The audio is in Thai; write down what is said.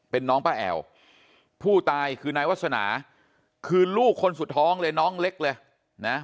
เป็นน้องป้าแอ๋วผู้ตายคือนายวาสนาคือลูกคนสุดท้องเลยน้องเล็กเลยนะ